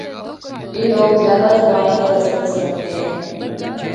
اے لوگ زیادہ زباناں تے دسترس رکھدے ہن۔